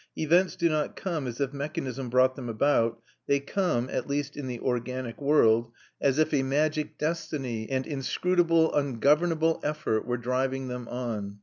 Events do not come as if mechanism brought them about; they come, at least in the organic world, as if a magic destiny, and inscrutable ungovernable effort, were driving them on.